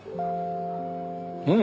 うん！